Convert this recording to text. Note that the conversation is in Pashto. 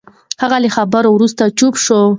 هغه له خبرو وروسته چوپ شو.